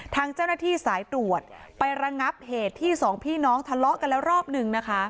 ทางเจ้าหน้าที่สายตรวจไประงับเหตุที่สองพี่น้องทะเลาะกันแล้วรอบนึงนะคะ